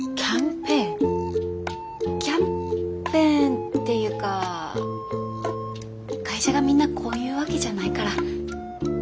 キャンペーンっていうか会社がみんなこういうわけじゃないから。